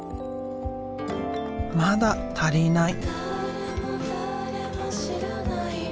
まだ足りない。